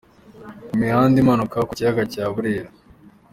Mu mihanda imanuka ku kiyaga cya Burera.